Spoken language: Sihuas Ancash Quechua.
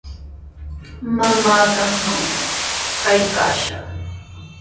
Mamaa kanqantrawmi kaykaashaq.